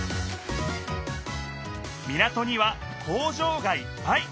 港には工場がいっぱい！